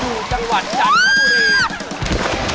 อยู่จังหวัดจันทร์ฮะมุรี